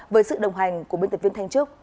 với sự đồng hành của biên tập viên thanh trước